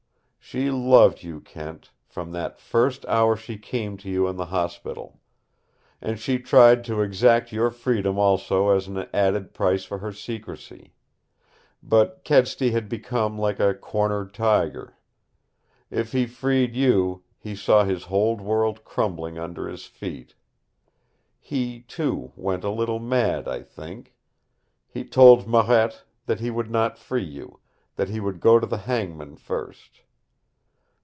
"She loved you, Kent from that first hour she came to you in the hospital. And she tried to exact your freedom also as an added price for her secrecy. But Kedsty had become like a cornered tiger. If he freed you, he saw his whole world crumbling under his feet. He, too, went a little mad, I think. He told Marette that he would not free you, that he would go to the hangman first.